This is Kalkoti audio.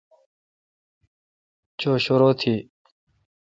چو شرو تھی۔